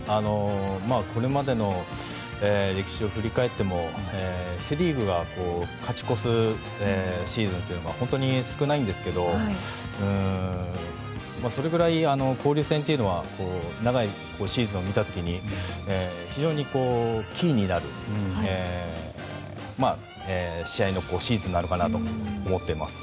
これまでの歴史を振り返ってもセ・リーグが勝ち越すシーズンというのは本当に少ないんですけどそれぐらい交流戦というのは長いシーズンを見た時に非常にキーになる試合のシーズンなのかなと思っています。